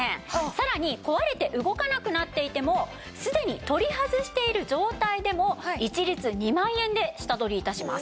さらに壊れて動かなくなっていてもすでに取り外している状態でも一律２万円で下取り致します。